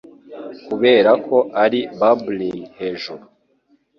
Kuberako ari bubblin 'hejuru